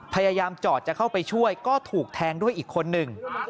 พยายามจอดจะเข้าไปช่วยก็ถูกแทงด้วยอีกคนหนึ่ง